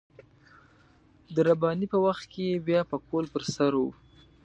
د رباني په وخت کې يې بيا پکول پر سر و.